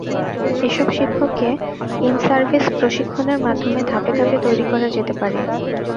এসব শিক্ষককে ইনসার্ভিস প্রশিক্ষণের মাধ্যমে ধাপে ধাপে তৈরি করা যেতে পারে।